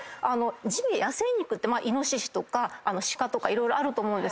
ジビエ野生肉ってイノシシとかシカとか色々あると思うんですけど。